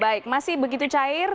baik masih begitu cair